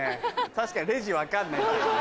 確かにレジ分かんないんだよね。